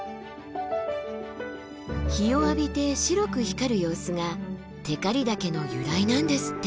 日を浴びて白く光る様子が「光岳」の由来なんですって。